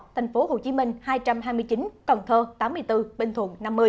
tây ninh hai trăm hai mươi chín cần thơ tám mươi bốn bình thuận năm mươi